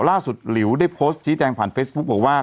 ล่าสุดหลิวได้โพสต์ชี้แจงผ่านเฟซพุกบอกว่า